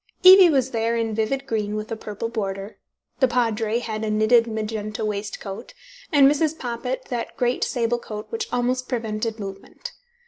Evie was there in vivid green with a purple border, the Padre had a knitted magenta waistcoat, and Mrs. Poppit that great sable coat which almost prevented movement.